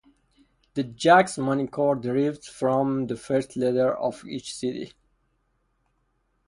The "Jags" moniker derives from the first letter of each city.